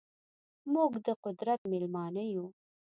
موږ ده قدرت میلمانه یو